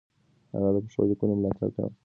هغه د پښتو ليکنو ملاتړ کاوه.